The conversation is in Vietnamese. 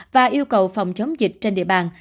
và yêu cầu phòng chống dịch trên địa bàn